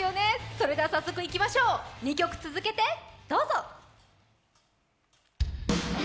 それでは早速いきましょう２曲続けてどうぞ。